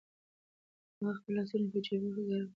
هغه خپل لاسونه په جېبونو کې ګرم ساتل.